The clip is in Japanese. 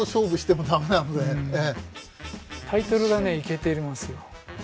タイトルがねイケてますよ。